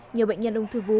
nhiều bệnh nhân ông thư vú